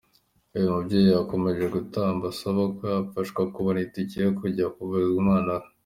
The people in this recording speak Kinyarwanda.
Uyu mubyeyi yakomeje gutakamba asaba ko yafashwa kubona itike yo kujya kuvuza umwana we.